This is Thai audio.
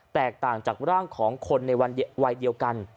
แตกต่างจากร่างของคนในวัยเดียวกัน